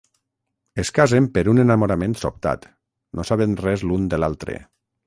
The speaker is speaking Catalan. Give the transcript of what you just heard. Es casen per un enamorament sobtat, no sabent res l'un de l'altre.